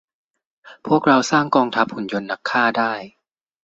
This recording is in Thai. พวกเราสร้างกองทัพหุ่นยนต์นักฆ่าได้